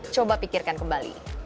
coba pikirkan kembali